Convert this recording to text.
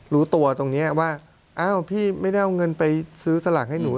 รู้ตัวตรงนี้ว่าอ้าวพี่ไม่ได้เอาเงินไปซื้อสลักให้หนู